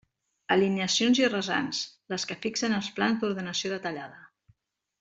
Alineacions i rasants: les que fixen els plans d'ordenació detallada.